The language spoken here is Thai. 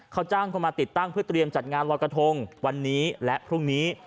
เขาจ้างเขามาติดตั้งเพื่อเตรียมจัดงานรอยกระทงวันนี้และพรุ่งนี้